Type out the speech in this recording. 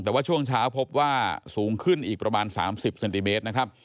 แต่ว่าช่วงเช้าพบว่าสูงขึ้นอีกประมาณ๓๐เซนติเมตรนะครับ